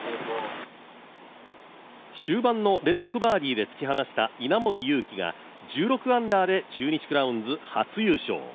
終盤の連続バーディーで突き放した稲森佑貴が１６アンダーで中日クラウンズ初優勝。